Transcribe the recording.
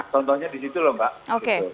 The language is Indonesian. contohnya di situ lho mbak